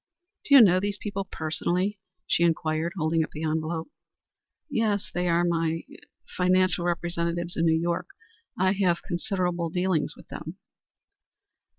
"Do you know these people personally?" she inquired, holding up the envelope. "Yes. They are my er financial representatives in New York. I have considerable dealings with them."